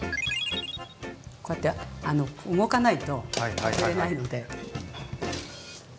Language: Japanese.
こうやって動かないと外れないので。